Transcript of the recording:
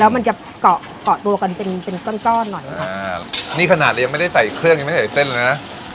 มันจะเกาะเกาะตัวกันเป็นเป็นก้อนหน่อยค่ะอ่านี่ขนาดยังไม่ได้ใส่เครื่องยังไม่ใส่เส้นเลยนะ